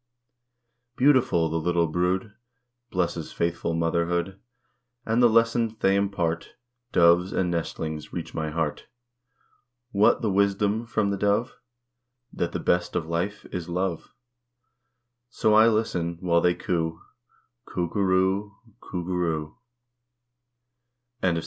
_" Beautiful, the little brood Blesses faithful motherhood, And the lessons they impart, Doves and nestlings, reach my heart. What the wisdom from the dove? That the best of life is "love." So I listen while they coo "_Coo goo roo o o, Coo goo roo o o.